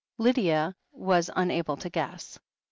Lydia was unable to guess.